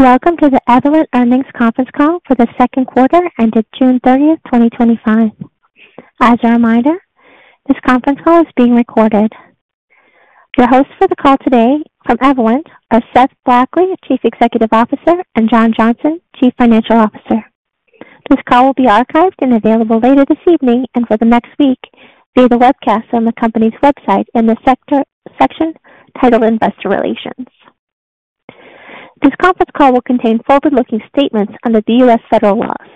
Welcome to the Evolent Earnings Conference Call for the Second Quarter Ended June 30, 2025. As a reminder, this conference call is being recorded. The hosts for the call today from Evolent are Seth Blackley, Chief Executive Officer, and John Johnson, Chief Financial Officer. This call will be archived and available later this evening and for the next week via the webcast on the company's website in the section titled Investor Relations. This conference call will contain forward-looking statements on the U.S. federal laws.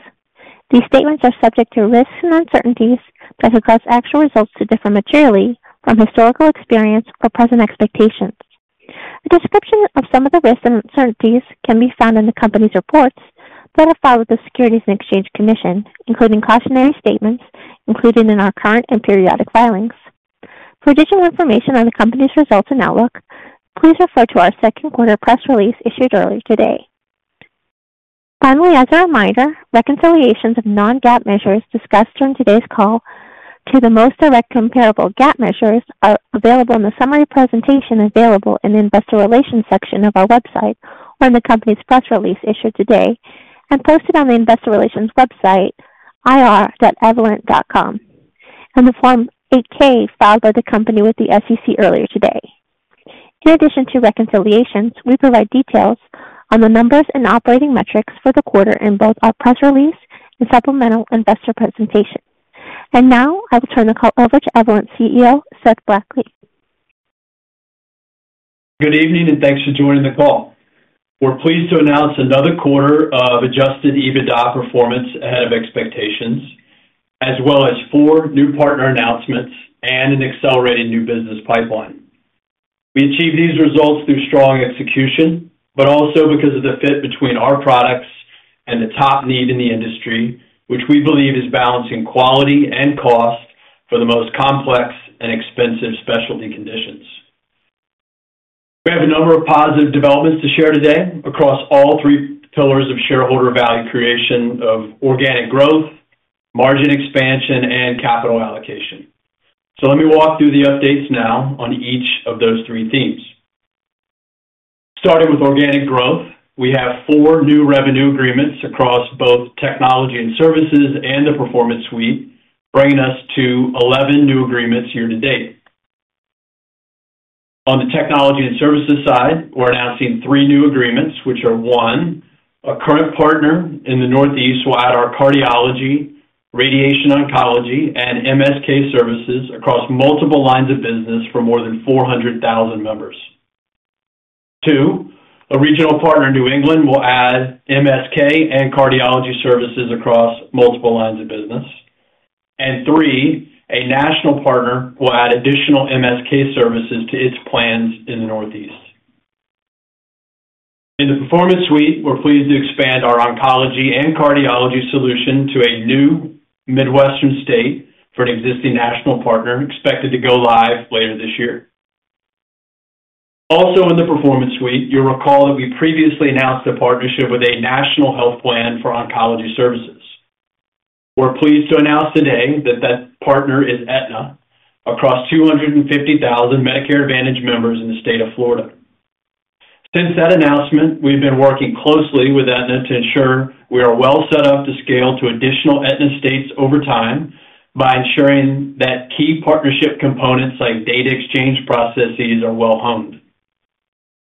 These statements are subject to risks and uncertainties that could cause actual results to differ materially from historical experience or present expectations. A description of some of the risks and uncertainties can be found in the company's reports that have filed with the Securities and Exchange Commission, including cautionary statements included in our current and periodic filings. For additional information on the company's results and outlook, please refer to our second quarter press release issued earlier today. Finally, as a reminder, reconciliations of non-GAAP measures discussed during today's call to the most direct comparable GAAP measures are available in the summary presentation available in the Investor Relations section of our website or in the company's press release issued today and posted on the Investor Relations website ir.evolent.com and the Form 8-K filed by the company with the SEC earlier today. In addition to reconciliations, we provide details on the numbers and operating metrics for the quarter in both our press release and supplemental investor presentation. Now, I'll turn the call over to Evolent CEO Seth Blackley. Good evening and thanks for joining the call. We're pleased to announce another quarter of adjusted EBITDA performance ahead of expectations, as well as four new partner announcements and an accelerating new business pipeline. We achieved these results through strong execution, but also because of the fit between our products and the top need in the industry, which we believe is balancing quality and cost for the most complex and expensive specialty conditions. We have a number of positive developments to share today across all three pillars of shareholder value creation: organic growth, margin expansion, and capital allocation. Let me walk through the updates now on each of those three themes. Starting with organic growth, we have four new revenue agreements across both Technology and Services and the Performance Suite, bringing us to 11 new agreements year to date. On the Technology and Services side, we're announcing three new agreements, which are: one, a current partner in the Northeast will add our cardiology, radiation oncology, and MSK services across multiple lines of business for more than 400,000 members. Two, a regional partner in New England will add MSK and cardiology services across multiple lines of business. Three, a national partner will add additional MSK services to its plans in the Northeast. In the Performance Suite, we're pleased to expand our oncology and cardiology solution to a new Midwestern state for an existing national partner expected to go live later this year. Also in the Performance Suite, you'll recall that we previously announced a partnership with a national health plan for oncology services. We're pleased to announce today that that partner is Aetna across 250,000 Medicare Advantage members in the state of Florida. Since that announcement, we've been working closely with Aetna to ensure we are well set up to scale to additional Aetna states over time by ensuring that key partnership components like data exchange processes are well honed.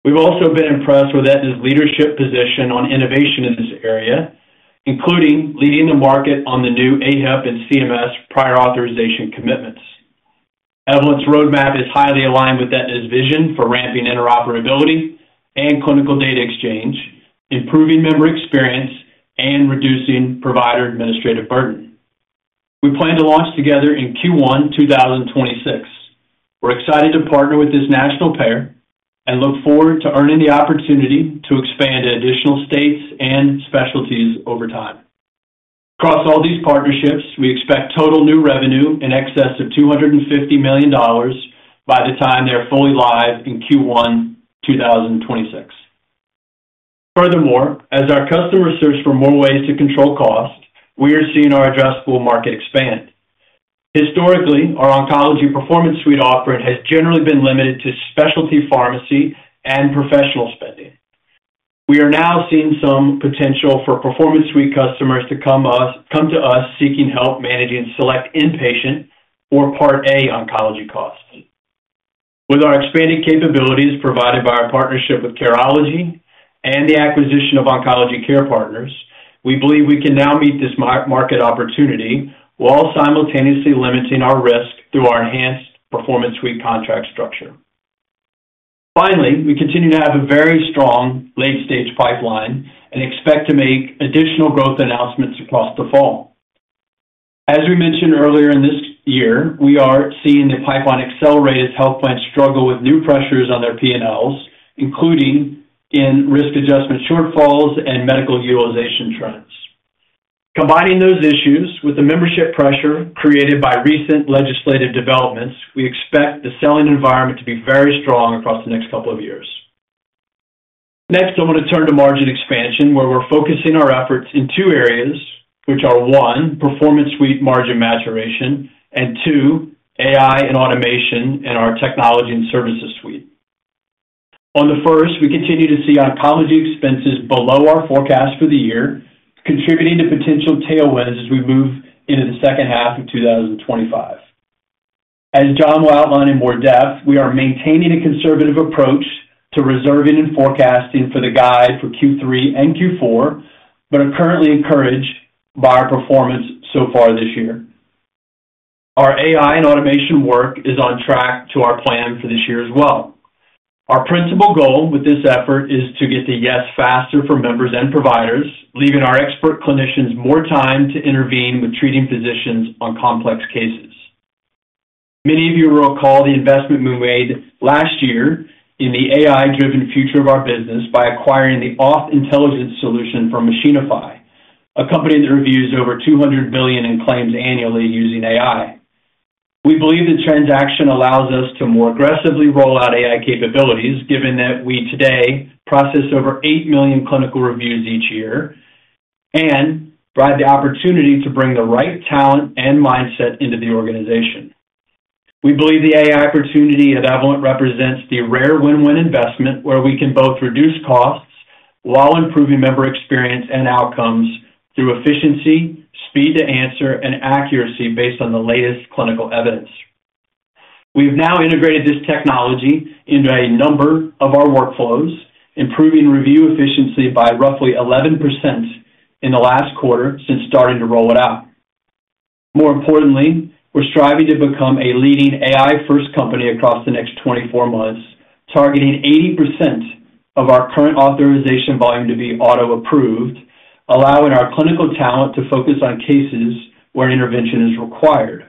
We've also been impressed with Aetna's leadership position on innovation in this area, including leading the market on the new AHEP and CMS prior authorization commitments. Evolent's roadmap is highly aligned with Aetna's vision for ramping interoperability and clinical data exchange, improving member experience, and reducing provider administrative burden. We plan to launch together in Q1 2026. We're excited to partner with this national payer and look forward to earning the opportunity to expand to additional states and specialties over time. Across all these partnerships, we expect total new revenue in excess of $250 million by the time they're fully live in Q1 2026. Furthermore, as our customers search for more ways to control costs, we are seeing our addressable market expand. Historically, our oncology Performance Suite offering has generally been limited to specialty pharmacy and professional spending. We are now seeing some potential for Performance Suite customers to come to us seeking help managing select inpatient or Part A oncology costs. With our expanding capabilities provided by our partnership with Careology and the acquisition of Oncology Care Partners, we believe we can now meet this market opportunity while simultaneously limiting our risk through our enhanced Performance Suite contract structure. Finally, we continue to have a very strong late-stage pipeline and expect to make additional growth announcements across the fall. As we mentioned earlier this year, we are seeing the pipeline accelerate as health plans struggle with new pressures on their P&Ls, including in risk adjustment shortfalls and medical utilization trends. Combining those issues with the membership pressure created by recent legislative developments, we expect the selling environment to be very strong across the next couple of years. Next, I want to turn to margin expansion, where we're focusing our efforts in two areas, which are: one, Performance Suite margin maturation; and two, AI and automation in our Technology and Services Suite. On the first, we continue to see oncology expenses below our forecast for the year, contributing to potential tailwinds as we move into the second half of 2025. As John will outline in more depth, we are maintaining a conservative approach to reserving and forecasting for the guide for Q3 and Q4, but are currently encouraged by our performance so far this year. Our AI and automation work is on track to our plan for this year as well. Our principal goal with this effort is to get the yes faster for members and providers, leaving our expert clinicians more time to intervene with treating physicians on complex cases. Many of you will recall the investment we made last year in the AI-driven future of our business by acquiring the Auth Intelligence solution from Machinify, a company that reviews over $200 billion in claims annually using AI. We believe the transaction allows us to more aggressively roll out AI capabilities, given that we today process over 8 million clinical reviews each year and provide the opportunity to bring the right talent and mindset into the organization. We believe the AI opportunity at Evolent represents the rare win-win investment where we can both reduce costs while improving member experience and outcomes through efficiency, speed to answer, and accuracy based on the latest clinical evidence. We've now integrated this technology into a number of our workflows, improving review efficiency by roughly 11% in the last quarter since starting to roll it out. More importantly, we're striving to become a leading AI-first company across the next 24 months, targeting 80% of our current authorization volume to be auto-approved, allowing our clinical talent to focus on cases where intervention is required.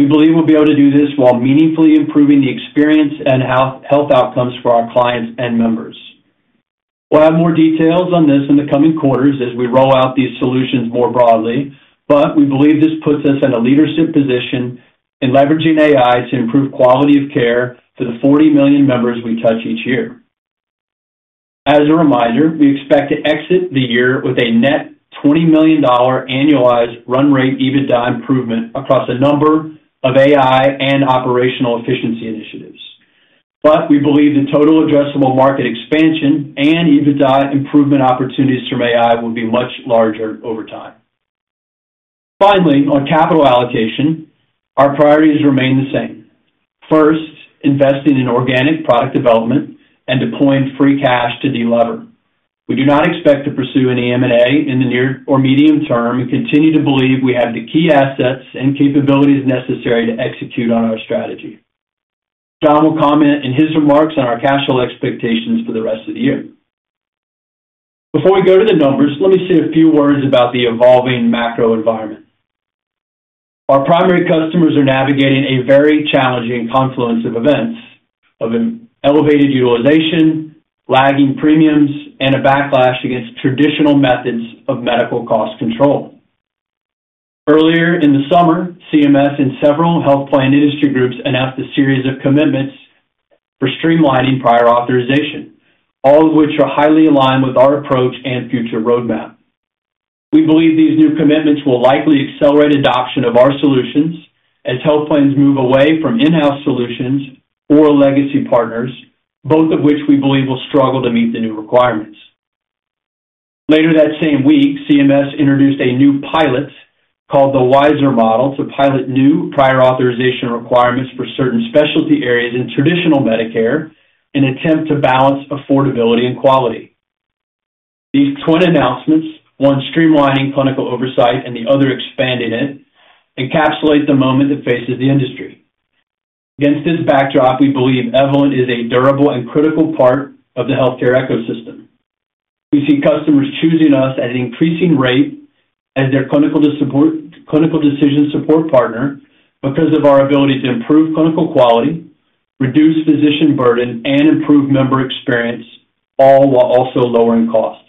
We believe we'll be able to do this while meaningfully improving the experience and health outcomes for our clients and members. We'll have more details on this in the coming quarters as we roll out these solutions more broadly, but we believe this puts us in a leadership position in leveraging AI to improve quality of care for the 40 million members we touch each year. As a reminder, we expect to exit the year with a net $20 million annualized run rate EBITDA improvement across a number of AI and operational efficiency initiatives. We believe the total addressable market expansion and EBITDA improvement opportunities from AI will be much larger over time. Finally, on capital allocation, our priorities remain the same. First, investing in organic product development and deploying free cash to delever. We do not expect to pursue any M&A in the near or medium term and continue to believe we have the key assets and capabilities necessary to execute on our strategy. John will comment in his remarks on our cash flow expectations for the rest of the year. Before we go to the numbers, let me say a few words about the evolving macro environment. Our primary customers are navigating a very challenging confluence of events, of an elevated utilization, lagging premiums, and a backlash against traditional methods of medical cost control. Earlier in the summer, CMS and several health plan industry groups announced a series of commitments for streamlining prior authorization, all of which are highly aligned with our approach and future roadmap. We believe these new commitments will likely accelerate adoption of our solutions as health plans move away from in-house solutions or legacy partners, both of which we believe will struggle to meet the new requirements. Later that same week, CMS introduced a new pilot called the WISER Model to pilot new prior authorization requirements for certain specialty areas in traditional Medicare in an attempt to balance affordability and quality. These twin announcements, one streamlining clinical oversight and the other expanding it, encapsulate the moment that faces the industry. Against this backdrop, we believe Evolent is a durable and critical part of the healthcare ecosystem. We see customers choosing us at an increasing rate as their clinical decision support partner because of our ability to improve clinical quality, reduce physician burden, and improve member experience, all while also lowering costs.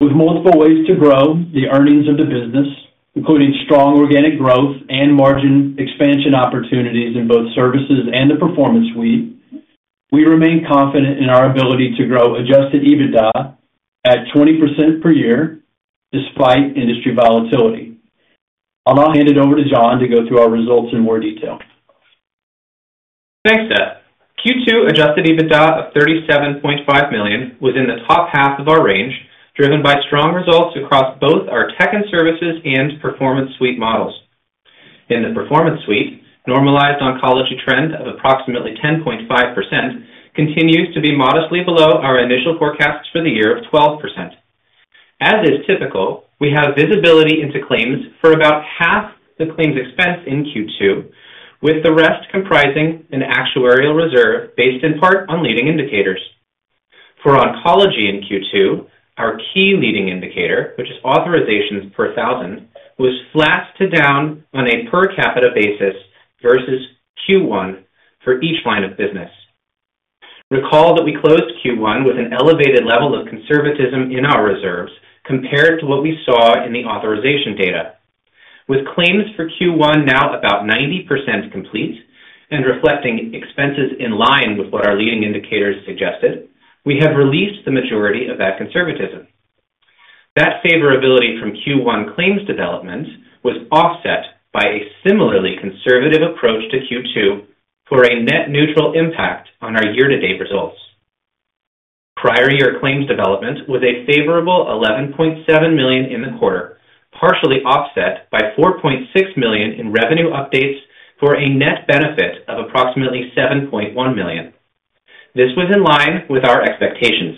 With multiple ways to grow the earnings of the business, including strong organic growth and margin expansion opportunities in both services and the Performance Suite, we remain confident in our ability to grow adjusted EBITDA at 20% per year despite industry volatility. I'll now hand it over to John to go through our results in more detail. Thanks, Seth. Q2 adjusted EBITDA of $37.5 million was in the top half of our range, driven by strong results across both our tech and services and Performance Suite models. In the Performance Suite, normalized oncology trend of approximately 10.5% continues to be modestly below our initial forecast for the year of 12%. As is typical, we have visibility into claims for about half the claims expense in Q2, with the rest comprising an actuarial reserve based in part on leading indicators. For oncology in Q2, our key leading indicator, which is authorizations per thousand, was flat to down on a per capita basis versus Q1 for each line of business. Recall that we closed Q1 with an elevated level of conservatism in our reserves compared to what we saw in the authorization data. With claims for Q1 now about 90% complete and reflecting expenses in line with what our leading indicators suggested, we have released the majority of that conservatism. That favorability from Q1 claims development was offset by a similarly conservative approach to Q2 for a net neutral impact on our year-to-date results. Prior year claims development was a favorable $11.7 million in the quarter, partially offset by $4.6 million in revenue updates for a net benefit of approximately $7.1 million. This was in line with our expectations.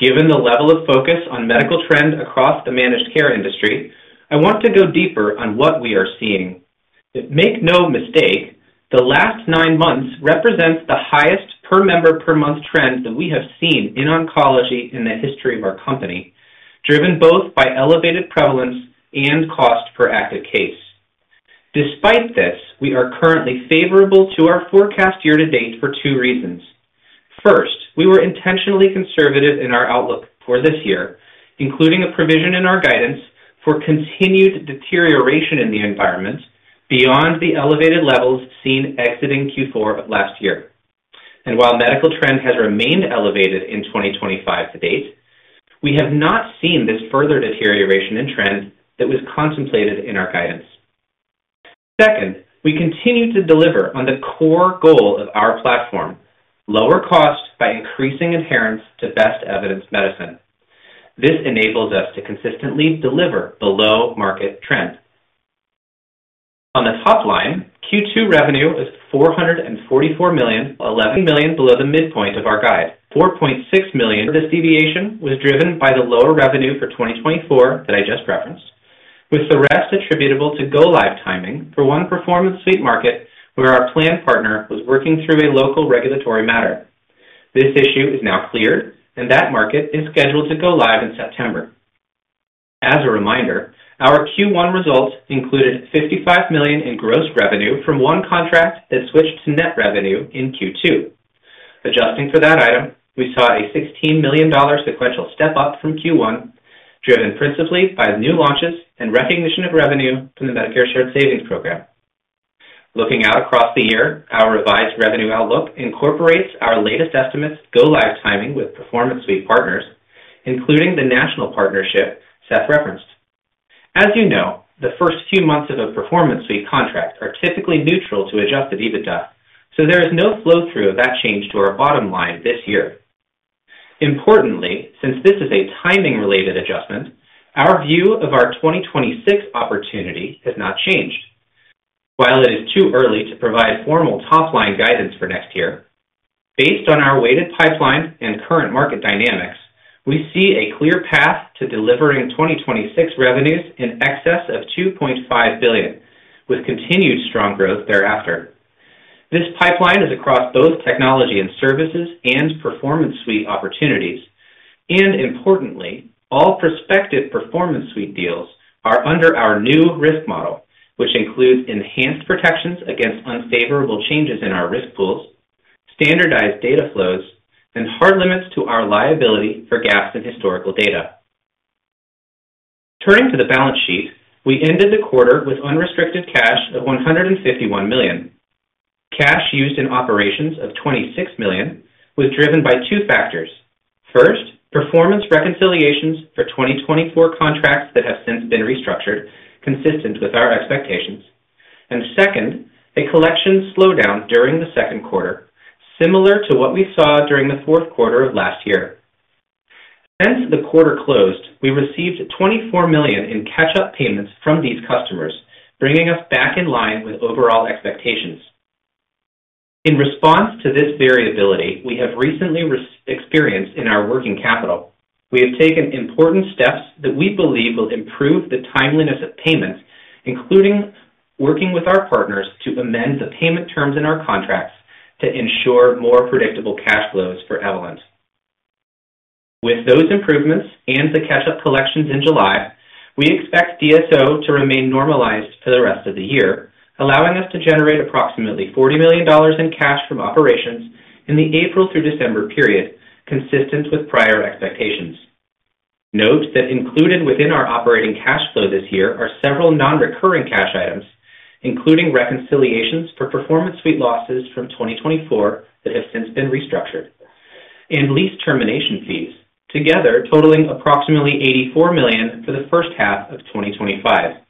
Given the level of focus on medical trend across the managed care industry, I want to go deeper on what we are seeing. Make no mistake, the last nine months represent the highest per member per month trend that we have seen in oncology in the history of our company, driven both by elevated prevalence and cost per active case. Despite this, we are currently favorable to our forecast year to date for two reasons. First, we were intentionally conservative in our outlook for this year, including a provision in our guidance for continued deterioration in the environment beyond the elevated levels seen exiting Q4 of last year. While medical trend has remained elevated in 2025 to date, we have not seen this further deterioration in trend that was contemplated in our guidance. Second, we continue to deliver on the core goal of our platform: lower cost by increasing adherence to best evidence medicine. This enables us to consistently deliver below market trend. On the top line, Q2 revenue is $444 million, $11 million below the midpoint of our guide, $4.6 million. This deviation was driven by the lower revenue for 2024 that I just referenced, with the rest attributable to go-live timing for one Performance Suite market where our plan partner was working through a local regulatory matter. This issue is now clear, and that market is scheduled to go live in September. As a reminder, our Q1 results included $55 million in gross revenue from one contract that switched to net revenue in Q2. Adjusting for that item, we saw a $16 million sequential step up from Q1, driven principally by new launches and recognition of revenue from the Medicare Shared Savings Program. Looking out across the year, our revised revenue outlook incorporates our latest estimates for go-live timing with Performance Suite partners, including the national partnership Seth referenced. As you know, the first few months of a Performance Suite contract are typically neutral to adjusted EBITDA, so there is no flow-through of that change to our bottom line this year. Importantly, since this is a timing-related adjustment, our view of our 2026 opportunity has not changed. While it is too early to provide formal top-line guidance for next year, based on our weighted pipeline and current market dynamics, we see a clear path to delivering 2026 revenues in excess of $2.5 billion, with continued strong growth thereafter. This pipeline is across both Technology and Services and Performance Suite opportunities, and importantly, all prospective Performance Suite deals are under our new risk model, which includes enhanced protections against unfavorable changes in our risk pools, standardized data flows, and hard limits to our liability for gaps in historical data. Turning to the balance sheet, we ended the quarter with unrestricted cash of $151 million. Cash used in operations of $26 million was driven by two factors. First, performance reconciliations for 2024 contracts that have since been restructured, consistent with our expectations, and second, a collection slowdown during the second quarter, similar to what we saw during the fourth quarter of last year. Since the quarter closed, we received $24 million in catch-up payments from these customers, bringing us back in line with overall expectations. In response to this variability we have recently experienced in our working capital, we have taken important steps that we believe will improve the timeliness of payments, including working with our partners to amend the payment terms in our contracts to ensure more predictable cash flows for Evolent. With those improvements and the catch-up collections in July, we expect DSO to remain normalized for the rest of the year, allowing us to generate approximately $40 million in cash from operations in the April through December period, consistent with prior expectations. Note that included within our operating cash flow this year are several non-recurring cash items, including reconciliations for Performance Suite losses from 2024 that have since been restructured, and lease termination fees, together totaling approximately $84 million for the first half of 2025.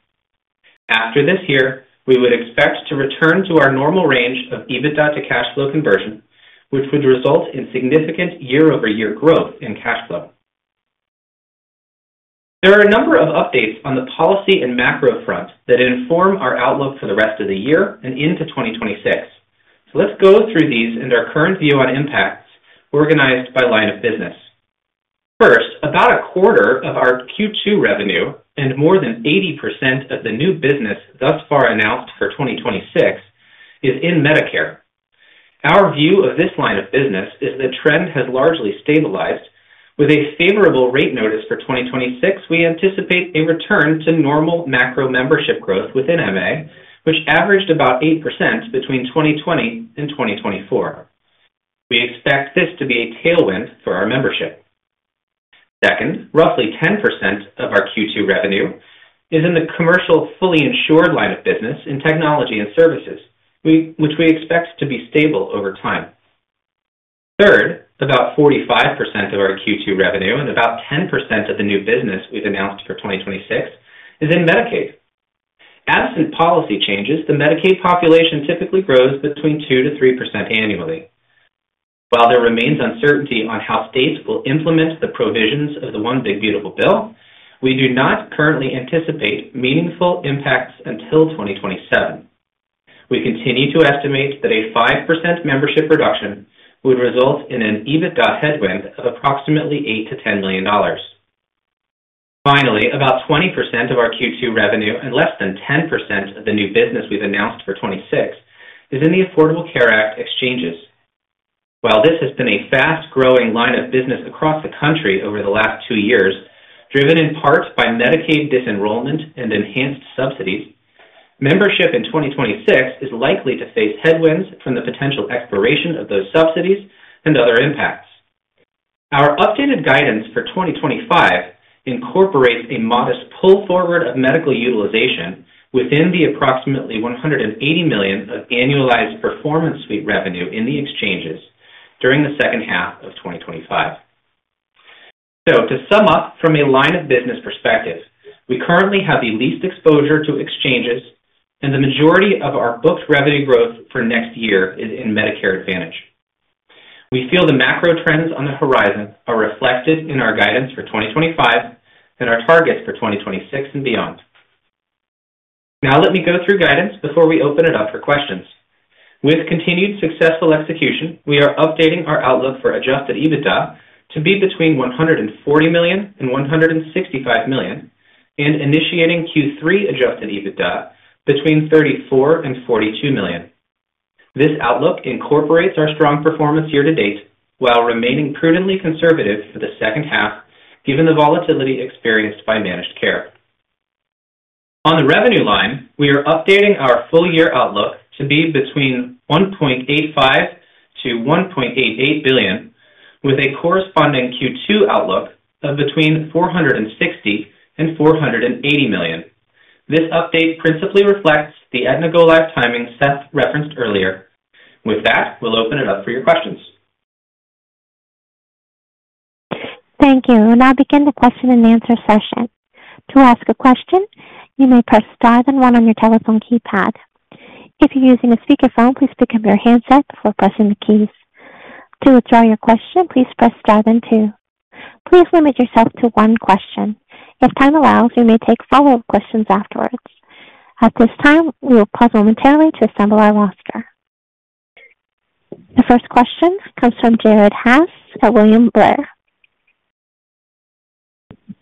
After this year, we would expect to return to our normal range of EBITDA to cash flow conversion, which would result in significant year-over-year growth in cash flow. There are a number of updates on the policy and macro front that inform our outlook for the rest of the year and into 2026. Let's go through these and our current view on impacts, organized by line of business. First, about a quarter of our Q2 revenue and more than 80% of the new business thus far announced for 2026 is in Medicare. Our view of this line of business is that the trend has largely stabilized. With a favorable rate notice for 2026, we anticipate a return to normal macro membership growth within Medicare Advantage, which averaged about 8% between 2020 and 2024. We expect this to be a tailwind for our membership. Second, roughly 10% of our Q2 revenue is in the commercial fully insured line of business in Technology and Services, which we expect to be stable over time. Third, about 45% of our Q2 revenue and about 10% of the new business we've announced for 2026 is in Medicaid. As in policy changes, the Medicaid population typically grows between 2%-3% annually. While there remains uncertainty on how states will implement the provisions of the One Big Beautiful Bill, we do not currently anticipate meaningful impacts until 2027. We continue to estimate that a 5% membership reduction would result in an EBITDA headwind of approximately $8 million-$10 million. Finally, about 20% of our Q2 revenue and less than 10% of the new business we've announced for 2026 is in the Affordable Care Act exchanges. While this has been a fast-growing line of business across the country over the last two years, driven in part by Medicaid disenrollment and enhanced subsidies, membership in 2026 is likely to face headwinds from the potential expiration of those subsidies and other impacts. Our updated guidance for 2025 incorporates a modest pull forward of medical utilization within the approximately $180 million of annualized Performance Suite revenue in the exchanges during the second half of 2025. To sum up, from a line of business perspective, we currently have the least exposure to exchanges, and the majority of our booked revenue growth for next year is in Medicare Advantage. We feel the macro trends on the horizon are reflected in our guidance for 2025 and our targets for 2026 and beyond. Now let me go through guidance before we open it up for questions. With continued successful execution, we are updating our outlook for adjusted EBITDA to be between $140 million and $165 million, and initiating Q3 adjusted EBITDA between $34 million and $42 million. This outlook incorporates our strong performance year to date while remaining prudently conservative for the second half, given the volatility experienced by managed care. On the revenue line, we are updating our full-year outlook to be between $1.85 billion-$1.88 billion, with a corresponding Q2 outlook of between $460 million and $480 million. This update principally reflects the Aetna go live timing Seth referenced earlier. With that, we'll open it up for your questions. Thank you. We'll now begin the question and answer session. To ask a question, you may press one on your telephone keypad. If you're using a speakerphone, please pick up your handset before pressing the keys. To withdraw your question, please press two. Please limit yourself to one question. If time allows, you may take follow-up questions afterwards. At this time, we will pause momentarily to assemble our roster. The first question comes from Jared Haase at William Blair.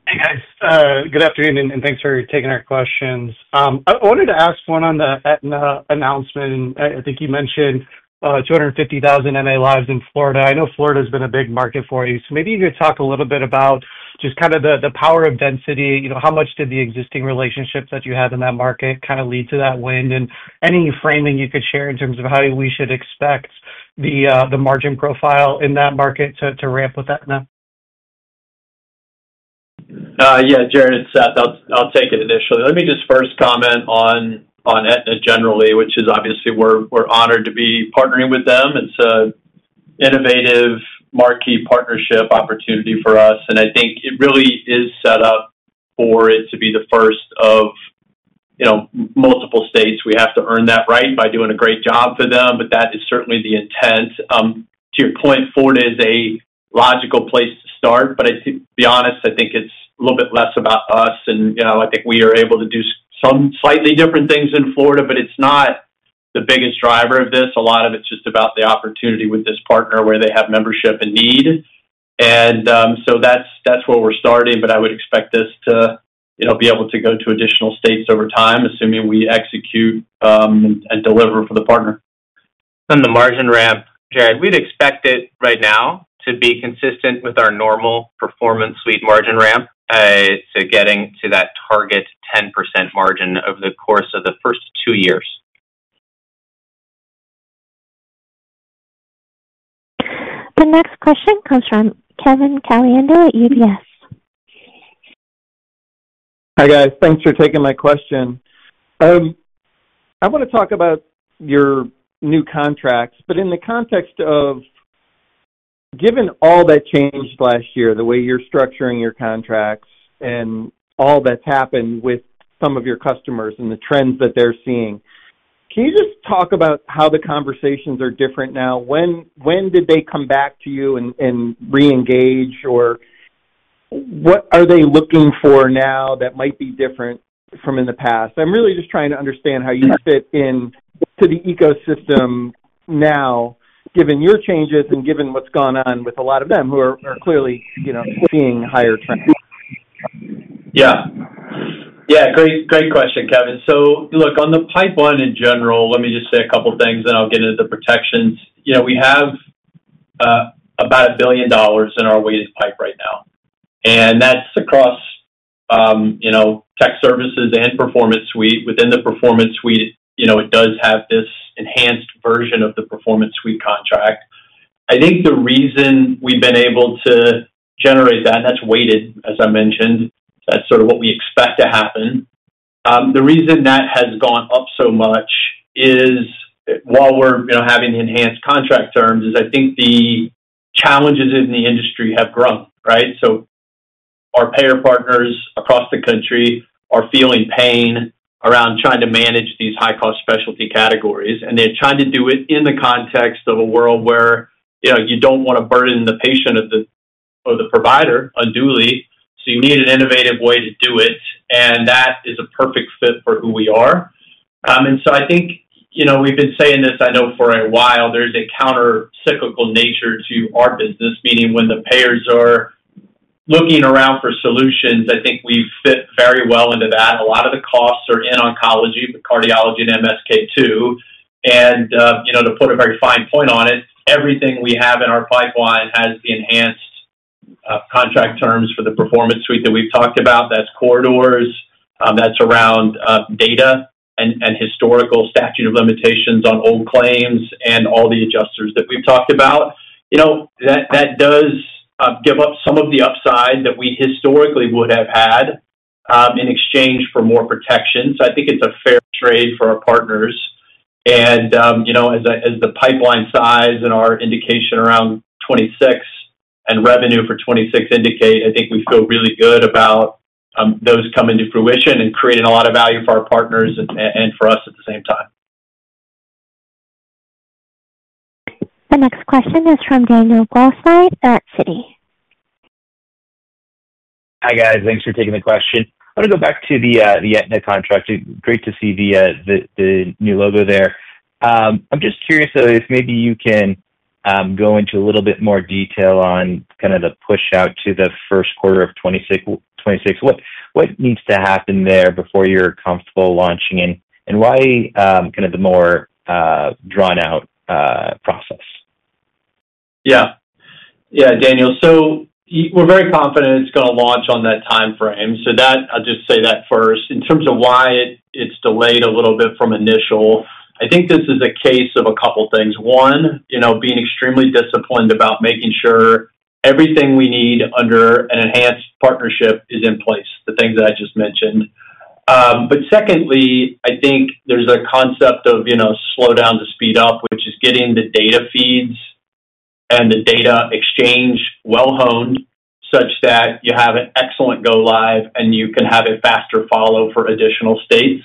Hey, guys. Good afternoon, and thanks for taking our questions. I wanted to ask one on the Aetna announcement, and I think you mentioned 250,000 MA lives in Florida. I know Florida has been a big market for you. Maybe you could talk a little bit about just kind of the power of density. How much did the existing relationships that you had in that market kind of lead to that win? Any framing you could share in terms of how we should expect the margin profile in that market to ramp with Aetna? Yeah, Jared, Seth, I'll take it initially. Let me just first comment on Aetna generally, which is obviously we're honored to be partnering with them. It's an innovative, marquee partnership opportunity for us. I think it really is set up for it to be the first of, you know, multiple states. We have to earn that right by doing a great job for them, but that is certainly the intent. To your point, Florida is a logical place to start. To be honest, I think it's a little bit less about us. I think we are able to do some slightly different things in Florida, but it's not the biggest driver of this. A lot of it's just about the opportunity with this partner where they have membership and need. That's where we're starting, but I would expect this to, you know, be able to go to additional states over time, assuming we execute and deliver for the partner. On the margin ramp, Jared, we'd expect it right now to be consistent with our normal Performance Suite margin ramp to getting to that target 10% margin over the course of the first two years. The next question comes from Kevin Caliendo at UBS. Hi, guys. Thanks for taking my question. I want to talk about your new contracts, but in the context of given all that changed last year, the way you're structuring your contracts and all that's happened with some of your customers and the trends that they're seeing, can you just talk about how the conversations are different now? When did they come back to you and re-engage, or what are they looking for now that might be different from in the past? I'm really just trying to understand how you fit into the ecosystem now, given your changes and given what's gone on with a lot of them who are clearly, you know, seeing higher trends. Yeah, great question, Kevin. On the pipeline in general, let me just say a couple of things, and I'll get into the protections. We have about $1 billion in our weighted pipe right now, and that's across tech services and Performance Suite. Within the Performance Suite, it does have this enhanced version of the Performance Suite contract. I think the reason we've been able to generate that, and that's weighted, as I mentioned, that's sort of what we expect to happen. The reason that has gone up so much is while we're having the enhanced contract terms, I think the challenges in the industry have grown, right? Our payer partners across the country are feeling pain around trying to manage these high-cost specialty categories, and they're trying to do it in the context of a world where you don't want to burden the patient or the provider unduly. You need an innovative way to do it, and that is a perfect fit for who we are. I think we've been saying this, I know, for a while, there's a countercyclical nature to our business, meaning when the payers are looking around for solutions, I think we fit very well into that. A lot of the costs are in oncology, the cardiology, and MSK2. To put a very fine point on it, everything we have in our pipeline has the enhanced contract terms for the Performance Suite that we've talked about. That's corridors, that's around data and historical statute of limitations on old claims and all the adjusters that we've talked about. That does give up some of the upside that we historically would have had in exchange for more protection. I think it's a fair trade for our partners. As the pipeline size and our indication around 2026 and revenue for 2026 indicate, I think we feel really good about those coming to fruition and creating a lot of value for our partners and for us at the same time. The next question is from Daniel Grosslight at Citi. Hi, guys. Thanks for taking the question. I want to go back to the Aetna contract. Great to see the new logo there. I'm just curious if maybe you can go into a little bit more detail on the push out to the first quarter of 2026. What needs to happen there before you're comfortable launching, and why the more drawn-out process? Yeah, Daniel. We're very confident it's going to launch on that timeframe. I'll just say that first. In terms of why it's delayed a little bit from initial, I think this is a case of a couple of things. One, being extremely disciplined about making sure everything we need under an enhanced partnership is in place, the things that I just mentioned. Secondly, I think there's a concept of slow down to speed up, which is getting the data feeds and the data exchange well honed such that you have an excellent go live and you can have a faster follow for additional states.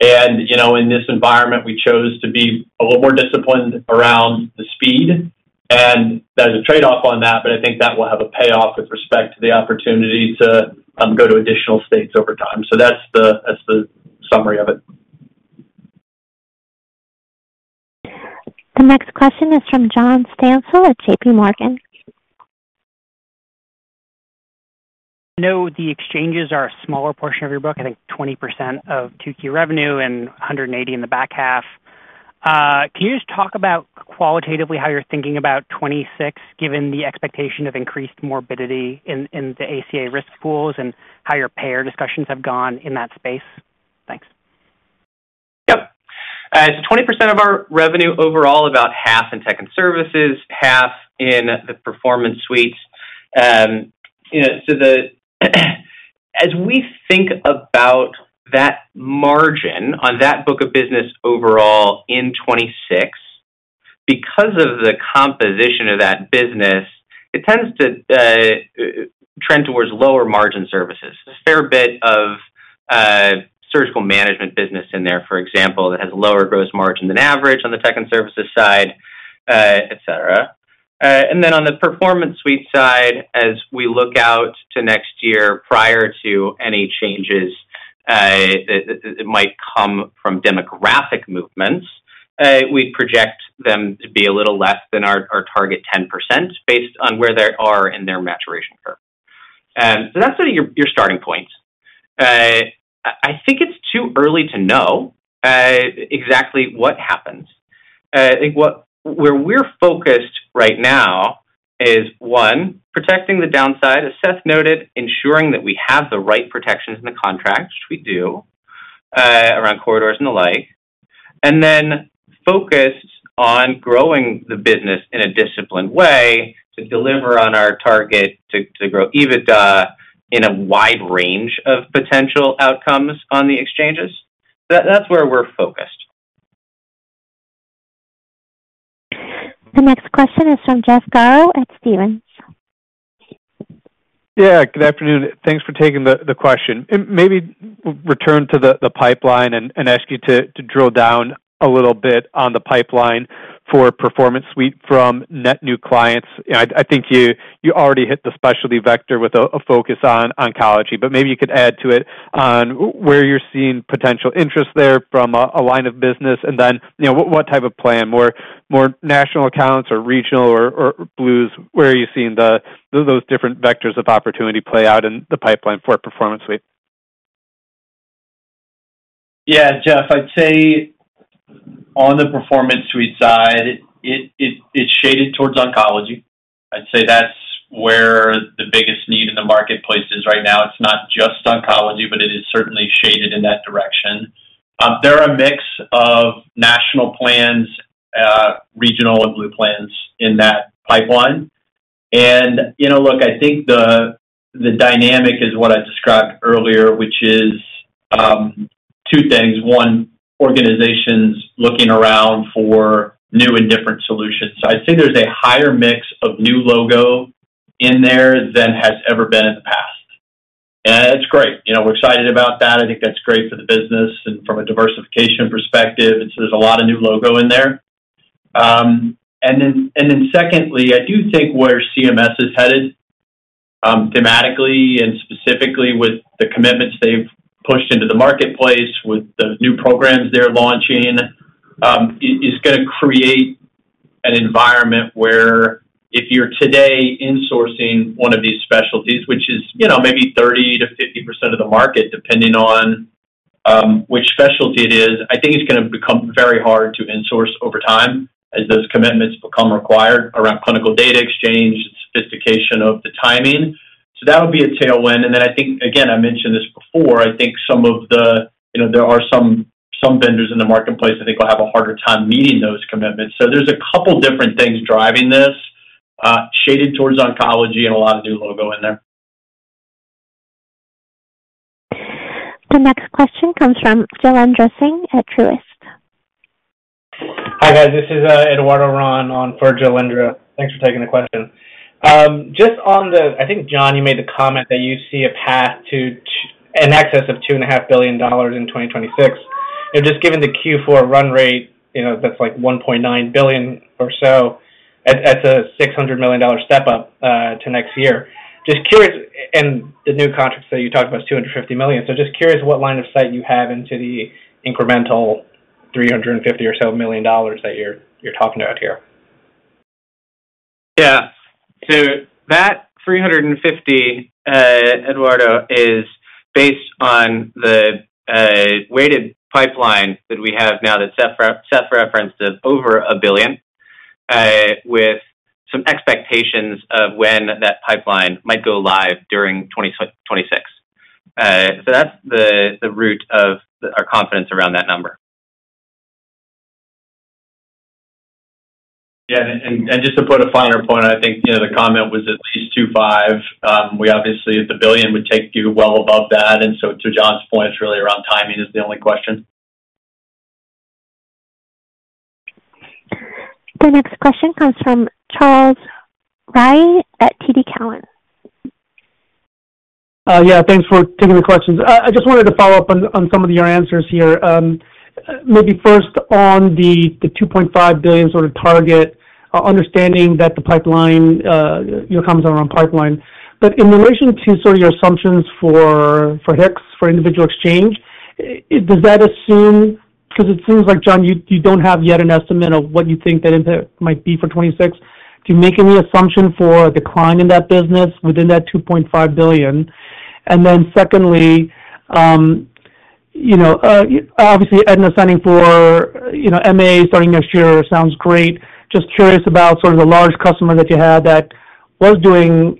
In this environment, we chose to be a little more disciplined around the speed. There's a trade-off on that, but I think that will have a payoff with respect to the opportunity to go to additional states over time. That's the summary of it. The next question is from John Stansep at JPMorgan. I know the exchanges are a smaller portion of your book, I think 20% of two-key revenue and $180 million in the back half. Can you just talk about qualitatively how you're thinking about 2026, given the expectation of increased morbidity in the ACA risk pools and how your payer discussions have gone in that space? Thanks. Yep. 20% of our revenue overall, about half in Technology and Services Suite, half in the Performance Suite. As we think about that margin on that book of business overall in 2026, because of the composition of that business, it tends to trend towards lower margin services. A fair bit of surgical management business in there, for example, that has a lower gross margin than average on the Technology and Services Suite side, etc. On the Performance Suite side, as we look out to next year, prior to any changes that might come from demographic movements, we'd project them to be a little less than our target 10% based on where they are in their maturation curve. That's sort of your starting point. I think it's too early to know exactly what happens. Where we're focused right now is, one, protecting the downside, as Seth noted, ensuring that we have the right protections in the contracts, which we do around corridors and the like, and then focused on growing the business in a disciplined way to deliver on our target to grow adjusted EBITDA in a wide range of potential outcomes on the exchanges. That's where we're focused. The next question is from Jeff Garro at Stephens. Yeah, good afternoon. Thanks for taking the question. Maybe we'll return to the pipeline and ask you to drill down a little bit on the pipeline for Performance Suite from net new clients. I think you already hit the specialty vector with a focus on oncology, but maybe you could add to it on where you're seeing potential interest there from a line of business and then what type of plan, more national accounts or regional or Blues, where are you seeing those different vectors of opportunity play out in the pipeline for a Performance Suite? Yeah, Jeff, I'd say on the Performance Suite side, it's shaded towards oncology. I'd say that's where the biggest need in the marketplace is right now. It's not just oncology, but it is certainly shaded in that direction. There are a mix of national plans, regional, and Blue plans in that pipeline. I think the dynamic is what I described earlier, which is two things. One, organizations looking around for new and different solutions. I'd say there's a higher mix of new logo in there than has ever been in the past. That's great. We're excited about that. I think that's great for the business and from a diversification perspective. There's a lot of new logo in there. Secondly, I do think where CMS is headed thematically and specifically with the commitments they've pushed into the marketplace with the new programs they're launching is going to create an environment where if you're today insourcing one of these specialties, which is maybe 30%-50% of the market, depending on which specialty it is, I think it's going to become very hard to insource over time as those commitments become required around clinical data exchange, the sophistication of the timing. That'll be a tailwind. I mentioned this before, I think there are some vendors in the marketplace I think will have a harder time meeting those commitments. There are a couple different things driving this, shaded towards oncology and a lot of new logo in there. The next question comes from Jalendra Singh at Truist. Hi, guys. This is Eduardo Ron on for Jolindra. Thanks for taking the question. Just on the, I think John, you made the comment that you'd see a path to in excess of $2.5 billion in 2026. You know, just given the Q4 run rate, you know, that's like $1.9 billion or so, that's a $600 million step up to next year. Just curious, and the new contracts that you talked about is $250 million. Just curious what line of sight you have into the incremental $350 or so million that you're talking about here. Yeah. That $350, Eduardo, is based on the weighted pipeline that we have now that Seth referenced of over $1 billion, with some expectations of when that pipeline might go live during 2026. That's the root of our confidence around that number. Yeah, just to put a finer point, I think, you know, the comment was at least $2.5 billion. We obviously, at the billion, would take you well above that. To John's point, it's really around timing, which is the only question. The next question comes from Charles Rhyee at TD Cowen. Yeah, thanks for taking the questions. I just wanted to follow up on some of your answers here. Maybe first on the $2.5 billion sort of target, understanding that the pipeline, your comments are on pipeline. In relation to sort of your assumptions for HICS, for individual exchange, does that assume, because it seems like, John, you don't have yet an estimate of what you think that impact might be for 2026. Do you make any assumption for a decline in that business within that $2.5 billion? Secondly, obviously Aetna signing for, you know, MA starting next year sounds great. Just curious about sort of the large customer that you had that was doing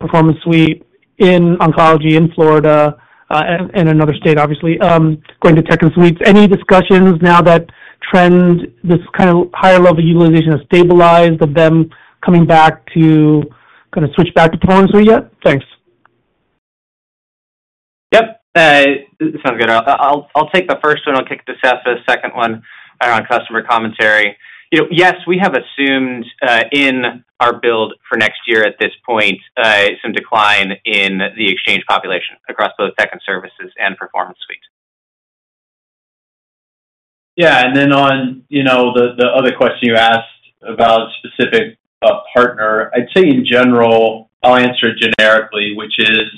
Performance Suite in oncology in Florida and in another state, obviously going to tech and suites. Any discussions now that trend, this kind of higher level utilization has stabilized, of them coming back to kind of switch back to Performance Suite yet? Thanks. Yep. Sounds good. I'll take the first one. I'll kick to Seth for the second one around customer commentary. Yes, we have assumed in our build for next year at this point some decline in the exchange population across both tech and services and Performance Suite. Yeah, on the other question you asked about a specific partner, I'd say in general, I'll answer it generically, which is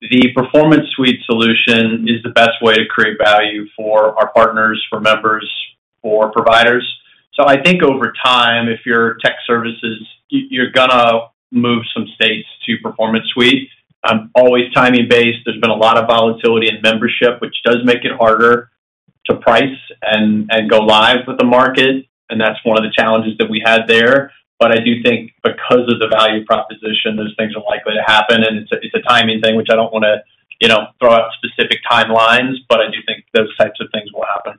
the Performance Suite solution is the best way to create value for our partners, for members, for providers. I think over time, if you're tech services, you're going to move some states to Performance Suite. I'm always timing-based. There's been a lot of volatility in membership, which does make it harder to price and go live with the market. That's one of the challenges that we had there. I do think because of the value proposition, those things are likely to happen. It's a timing thing, which I don't want to throw out specific timelines, but I do think those types of things will happen.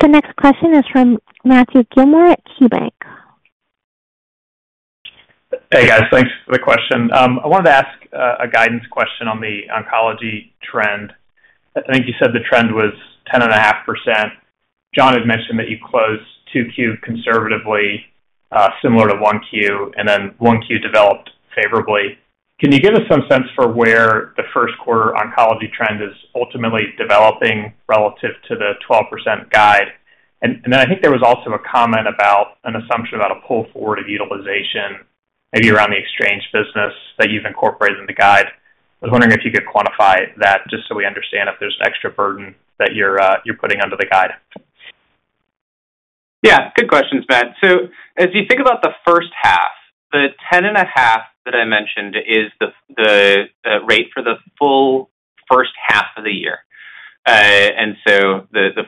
The next question is from Matthew Gillmor at KeyBank. Hey, guys. Thanks for the question. I wanted to ask a guidance question on the oncology trend. I think you said the trend was 10.5%. John had mentioned that you closed 2Q conservatively, similar to 1Q, and 1Q developed favorably. Can you give us some sense for where the first quarter oncology trend is ultimately developing relative to the 12% guide? I think there was also a comment about an assumption about a pull forward of utilization, maybe around the exchange business that you've incorporated in the guide. I was wondering if you could quantify that just so we understand if there's an extra burden that you're putting under the guide. Yeah, good questions, Matt. As you think about the first half, the 10.5% that I mentioned is the rate for the full first half of the year. The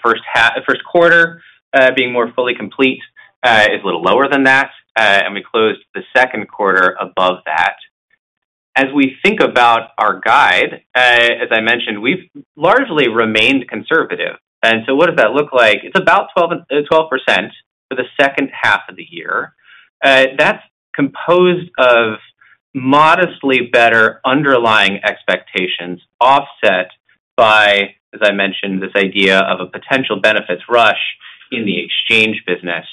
first quarter being more fully complete is a little lower than that, and we closed the second quarter above that. As we think about our guide, as I mentioned, we've largely remained conservative. What does that look like? It's about 12% for the second half of the year. That's composed of modestly better underlying expectations offset by, as I mentioned, this idea of a potential benefits rush in the exchange business,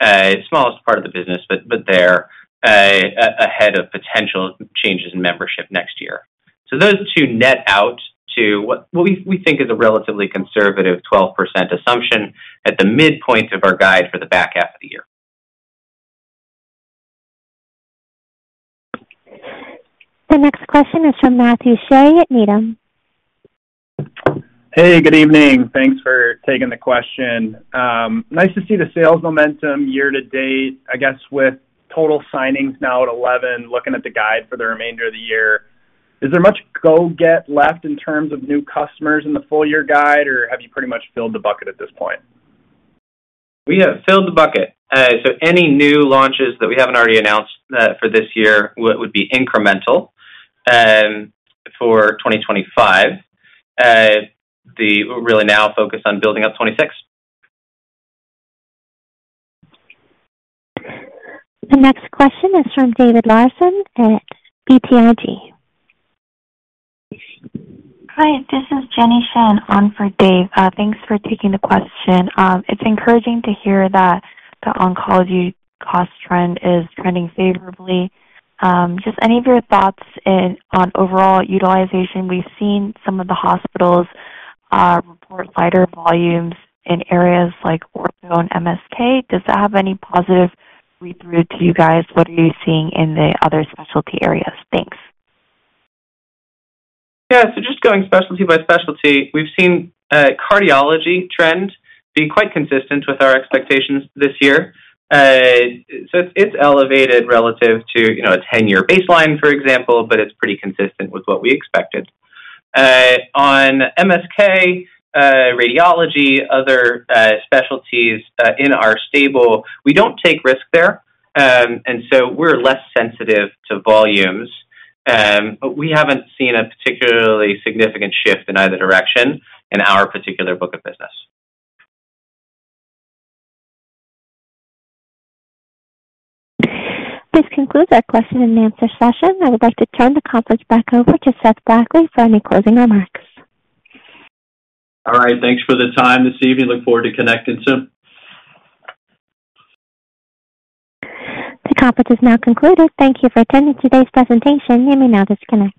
the smallest part of the business, but there, ahead of potential changes in membership next year. Those two net out to what we think is a relatively conservative 12% assumption at the midpoint of our guide for the back half of the year. The next question is from Matthew Shea at Needham. Hey, good evening. Thanks for taking the question. Nice to see the sales momentum year to date, I guess, with total signings now at 11, looking at the guide for the remainder of the year. Is there much go get left in terms of new customers in the full year guide, or have you pretty much filled the bucket at this point? We have filled the bucket. Any new launches that we haven't already announced for this year would be incremental for 2025. We're really now focused on building up 2026. The next question is from David Larsen at BTIG. Hi, this is Jenny Shen on for Dave. Thanks for taking the question. It's encouraging to hear that the oncology cost trend is trending favorably. Just any of your thoughts on overall utilization? We've seen some of the hospitals report lighter volumes in areas like ortho and MSK. Does that have any positive read through to you guys? What are you seeing in the other specialty areas? Thanks. Just going specialty by specialty, we've seen a cardiology trend being quite consistent with our expectations this year. It's elevated relative to, you know, a 10-year baseline, for example, but it's pretty consistent with what we expected. On MSK, radiology, other specialties in our stable, we don't take risk there, and we're less sensitive to volumes. We haven't seen a particularly significant shift in either direction in our particular book of business. This concludes our question and answer session. I would like to turn the conference back over to Seth Blackley for any closing remarks. All right. Thanks for the time this evening. Look forward to connecting soon. The conference is now concluded. Thank you for attending today's presentation. You may now disconnect.